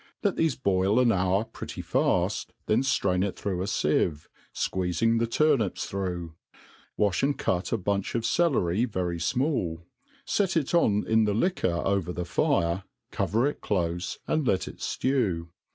Let thefe boil an hour pretty faft, then ftrain it, through a fieve, fqueezing the tur nips through ; wafh and cut a bunch of celery very fmall, fee it on in the liquor on the fire^ cover it clofe, and let it ftew.